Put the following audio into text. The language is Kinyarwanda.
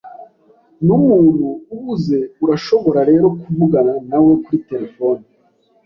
Numuntu uhuze, urashobora rero kuvugana nawe kuri terefone.